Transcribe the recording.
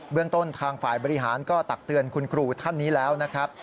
เรื่องต้นทางฝ่ายบริหารก็ตักเตือนคุณครูท่านนี้แล้วนะครับ